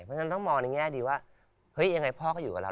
เพราะฉะนั้นต้องมองในแง่ดีว่าเฮ้ยยังไงพ่อก็อยู่กับเรา